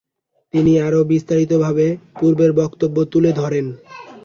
তিনি আরো বিস্তারিতভাবে পূর্বের বক্তব্য তুলে ধরেন।